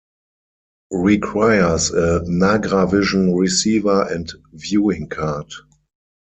Requires a Nagravision receiver and viewing card.